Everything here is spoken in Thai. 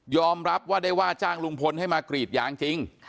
รับว่าได้ว่าจ้างลุงพลให้มากรีดยางจริง